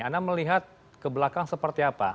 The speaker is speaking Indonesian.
anda melihat ke belakang seperti apa